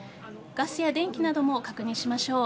ガスや電気なども確認しましょう。